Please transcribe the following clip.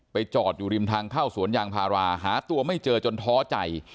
จอดอยู่ริมทางเข้าสวนยางพาราหาตัวไม่เจอจนท้อใจ